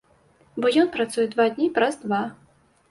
Бо ён працуе два дні праз два.